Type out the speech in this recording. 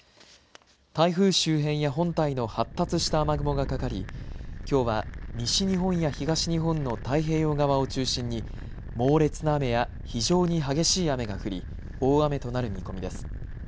台風周辺や本体の発達した雨雲がかかりきょうは西日本や東日本の太平洋側を中心に猛烈な雨や非常に激しい雨が降り大雨となる見込みです。